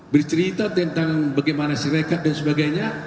bercerita tentang bagaimana sirekat dan sebagainya